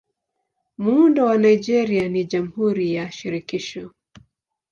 Muundo wa Nigeria ni Jamhuri ya Shirikisho.